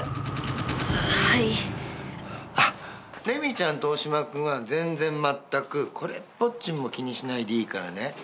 レミちゃんと大島君は全然まったくこれっぽっちも気にしないでいいからね。